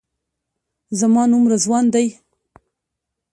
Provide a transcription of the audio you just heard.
زما نوم رضوان دی.